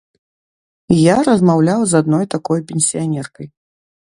Я размаўляў з адной такой пенсіянеркай.